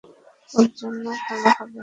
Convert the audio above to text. ওর জন্য ভালো হবে।